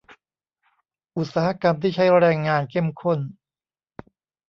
อุตสาหกรรมที่ใช้แรงงานเข้มข้น